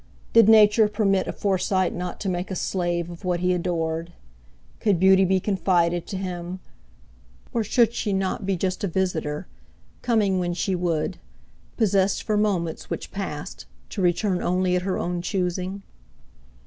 Did Nature permit a Forsyte not to make a slave of what he adored? Could beauty be confided to him? Or should she not be just a visitor, coming when she would, possessed for moments which passed, to return only at her own choosing?